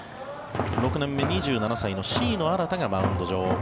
６年目２７歳の椎野新がマウンド上。